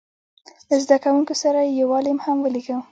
له زده کوونکو سره یې یو عالم هم ولېږه.